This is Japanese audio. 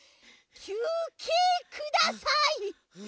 きゅうけいください！